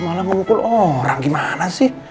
malah memukul orang gimana sih